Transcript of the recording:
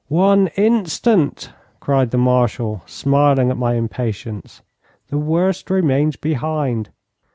'One instant!' cried the Marshal, smiling at my impatience. 'The worst remains behind.